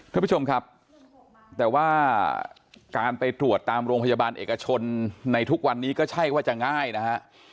ท่านผู้ชมครับแต่ว่าการไปตรวจตามโรงพยาบาลเอกชนในทุกวันนี้ก็ใช่ว่าจะง่ายนะฮะ